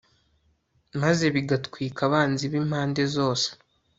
maze kigatwika abanzi be impande zose